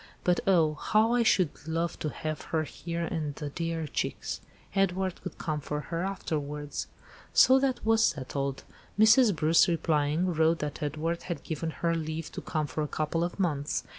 But oh! how I should love to have her here and the dear chicks. Edward could come for her afterwards." So that was settled. Mrs. Bruce, replying, wrote that Edward had given her leave to come for a couple of months.